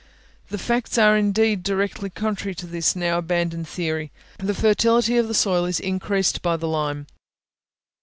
The facts are indeed directly contrary to this now abandoned theory: the fertility of the soil is increased by the lime.